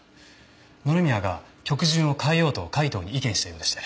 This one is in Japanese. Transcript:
野々宮が曲順を変えようと海東に意見したようでして。